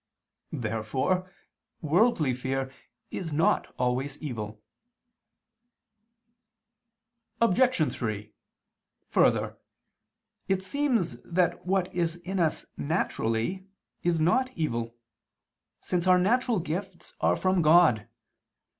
Therefore worldly fear is not always evil. Obj. 3: Further, it seems that what is in us naturally, is not evil, since our natural gifts are from God.